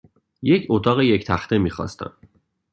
یک اتاق یک تخته میخواستم.